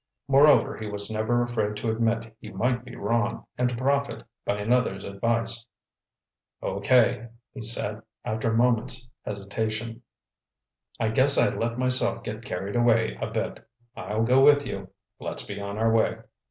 Moreover, he was never afraid to admit he might be wrong and to profit by another's advice. "Okay," he said, after a moment's hesitation. "I guess I let myself get carried away a bit. I'll go with you. Let's be on our way."